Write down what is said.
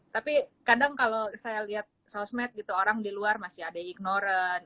tapi kadang kalau saya lihat sosmed gitu orang di luar masih ada ignoran